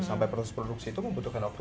sampai proses produksi itu membutuhkan waktu